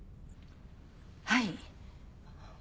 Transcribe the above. はい。